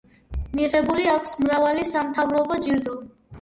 მიღებული აქვს მრავალი სამთავრობო ჯილდო.